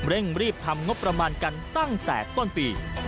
เร่งรีบทำงบประมาณกันตั้งแต่ต้นปี